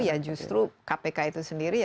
ya justru kpk itu sendiri